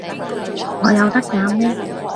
我有得揀咩？